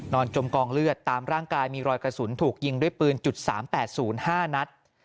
จมกองเลือดตามร่างกายมีรอยกระสุนถูกยิงด้วยปืน๓๘๐๕นัด